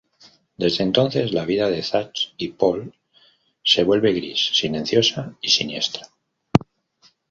Desde entonces, la vida de Zach y Paul se vuelve gris, silenciosa y siniestra.